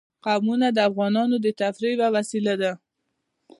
قومونه د افغانانو د تفریح یوه وسیله ده.